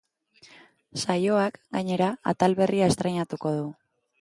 Saioak, gainera, atal berria estreinatuko du.